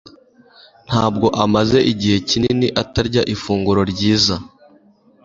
ntabwo amaze igihe kinini atarya ifunguro ryiza